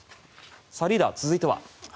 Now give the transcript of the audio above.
さあ、リーダー続いては。